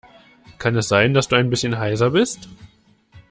Kann es sein, dass du ein bisschen heiser bist?